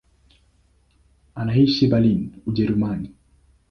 Anaishi Berlin, Ujerumani.